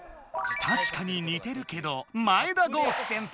たしかににてるけど前田公輝先輩です！